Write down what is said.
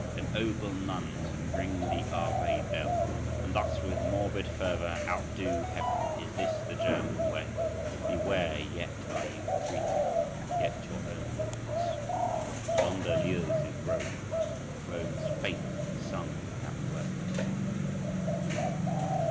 Then ogle nuns, and ring the Ave bell, And thus with morbid fervour out do heaven? Is this the German way? Beware, yet are you free, yet your own Lords. What yonder lures is Rome, Rome's faith sung without words.